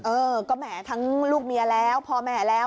เออก็แหมทั้งลูกเมียแล้วพ่อแม่แล้ว